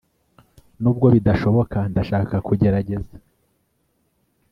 nubwo bidashoboka, ndashaka kugerageza